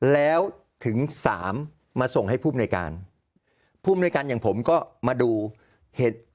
แล้วถึงสามมาส่งให้ผู้อำนวยการผู้อำนวยการอย่างผมก็มาดู